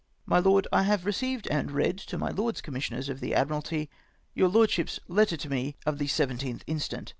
My Lord, — I have received and read to my Lords Com missioners of the Admiralty your Lordship's letter to me of the l7th inst.